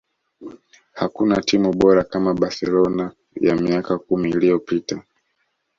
hakuna timu bora kama barcelona ya miaka kumi iliyopita